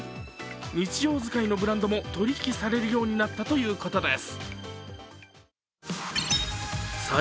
日常使いのブランドも取り引きされるようになったということです。